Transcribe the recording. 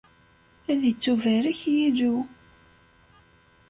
Ad ittubarek Yillu!